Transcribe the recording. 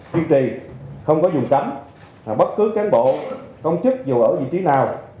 duy trì không có dùng cấm bất cứ cán bộ công chức dù ở vị trí nào